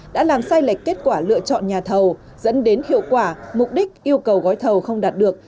đã làm sai lệch kết quả lựa chọn nhà thầu dẫn đến hiệu quả mục đích yêu cầu gói thầu không đạt được